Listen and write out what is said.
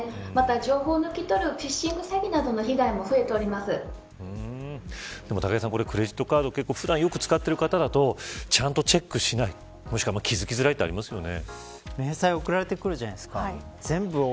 情報を抜き取るフィッシング詐欺などの被害も武井さん、クレジットカードを普段よく使っている方だとちゃんとチェックしないと気付きづらいですよね。